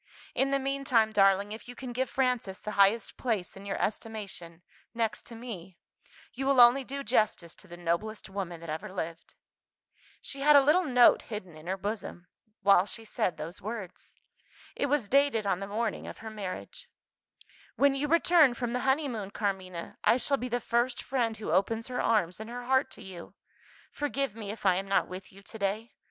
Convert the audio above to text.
In the meantime, darling, if you can give Frances the highest place in your estimation next to me you will only do justice to the noblest woman that ever lived." She had a little note hidden in her bosom, while she said those words. It was dated on the morning of her marriage: "When you return from the honeymoon, Carmina, I shall be the first friend who opens her arms and her heart to you. Forgive me if I am not with you to day.